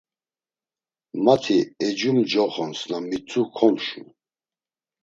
Mati Ecu mcoxons na mitzu komşun.